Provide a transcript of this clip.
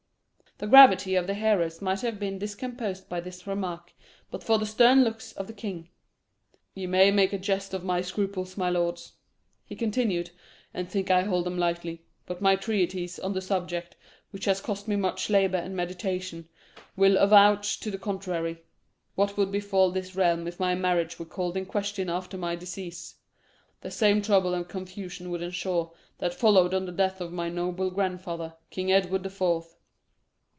The gravity of the hearers might have been discomposed by this remark, but for the stern looks of the king. "Ye may make a jest of my scruples, my lords," he continued, "and think I hold them lightly; but my treatise on the subject, which has cost me much labour and meditation, will avouch to the contrary. What would befall this realm if my marriage were called in question after my decease? The same trouble and confusion would ensue that followed on the death of my noble grandfather, King Edward the Fourth.